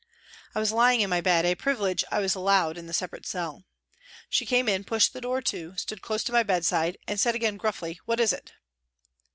I was lying on my bed, a privilege I was allowed in the separate cell. She came in, pushed the door to, stood close to my bed side and said again gruffly, " What is it